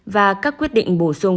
và các quyết định bổ sung